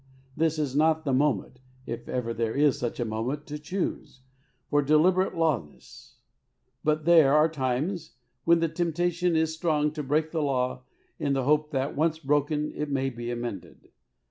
This is not the moment (if ever there is such a moment) to choose, for deliberate lawlessness; but there are times when the temptation is strong to break the law in the hope that, once broken, it may be amended.